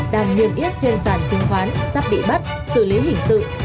đang nghiêm yết trên sàn chứng khoán sắp bị bắt xử lý hình sự